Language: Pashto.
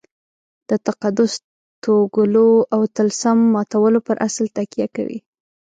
د تقدس توږلو او طلسم ماتولو پر اصل تکیه کوي.